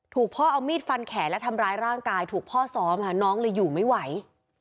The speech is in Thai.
พ่อเอามีดฟันแขนและทำร้ายร่างกายถูกพ่อซ้อมน้องเลยอยู่ไม่ไหว